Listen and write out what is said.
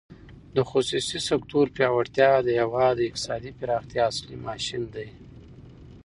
د خصوصي سکتور پیاوړتیا د هېواد د اقتصادي پراختیا اصلي ماشین دی.